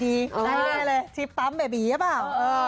ได้เลยทริปปั๊มแบบอี๋หรือเปล่า